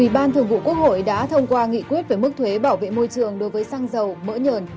ủy ban thường vụ quốc hội đã thông qua nghị quyết về mức thuế bảo vệ môi trường đối với xăng dầu mỡ nhờn